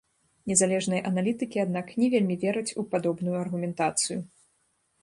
Незалежныя аналітыкі, аднак, не вельмі вераць у падобную аргументацыю.